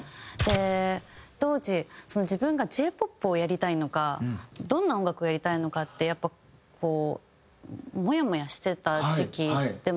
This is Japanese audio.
当時自分がＪ−ＰＯＰをやりたいのかどんな音楽をやりたいのかってやっぱこうモヤモヤしてた時期でもあったりして。